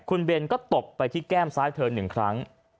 คุณเบนก็ตบไปที่แก้มซ้ายเธอ๑ครั้ง